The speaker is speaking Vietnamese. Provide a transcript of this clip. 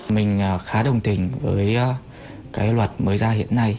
mình khá đồng tình với cái luật mới ra hiện nay